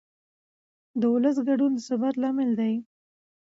د ولس ګډون د ثبات لامل دی